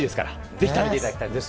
ぜひ食べていただきたいです。